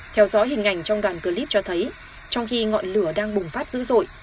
theo dõi hình ảnh trong đoàn clip cho thấy trong khi ngọn lửa đang bùng phát dữ dội